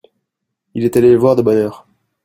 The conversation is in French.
Il est allé le voir de bonne heure.